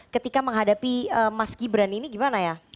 ketika menghadapi mas gibran ini gimana ya